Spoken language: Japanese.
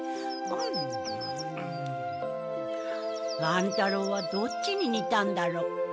乱太郎はどっちに似たんだろう。